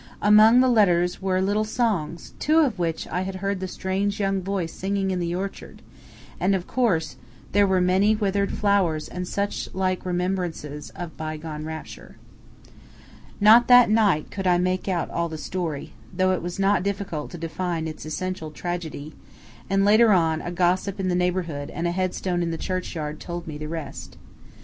Among the letters were little songs, two of which I had heard the strange young voice singing in the orchard, and, of course, there were many withered flowers and such like remembrances of bygone rapture. Not that night could I make out all the story, though it was not difficult to define its essential tragedy, and later on a gossip in the neighborhood and a headstone in the churchyard told me the rest.